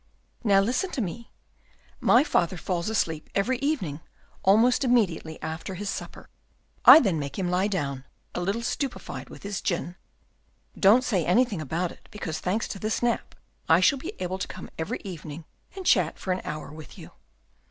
"Now listen to me. My father falls asleep every evening almost immediately after his supper; I then make him lie down, a little stupefied with his gin. Don't say anything about it, because, thanks to this nap, I shall be able to come every evening and chat for an hour with you."